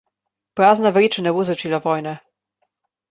Prazna vreča ne bo začela vojne.